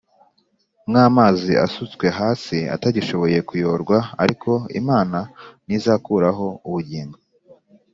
nk amazi asutswe hasi atagishoboye kuyorwa Ariko Imana ntizakuraho ubugingo